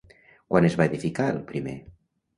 Quan es va edificar el primer?